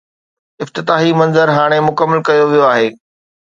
افتتاحي منظر هاڻي مڪمل ڪيو ويو آهي.